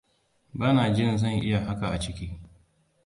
Ba na jin zan iya haka a ciki.